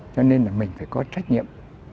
cho nên mình phải có trách nhiệm thờ cúng